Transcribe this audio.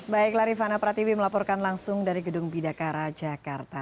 baiklah rifana pratiwi melaporkan langsung dari gedung bidakara jakarta